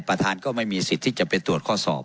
ก็ไม่มีสิทธิ์ที่จะไปตรวจข้อสอบ